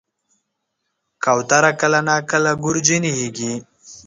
کوتره کله ناکله ګورجنیږي.